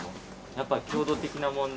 やっぱ強度的な問題